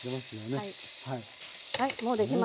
はい。